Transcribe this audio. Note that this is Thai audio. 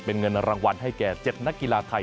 เป็นเงินรางวัลให้แก่๗นักกีฬาไทย